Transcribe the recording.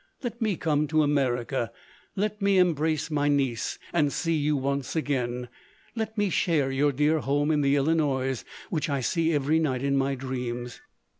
Let me come to America — let me embrace my niece, and see you once again — let me share your dear home in the Illinois, which I see every night in my dreams.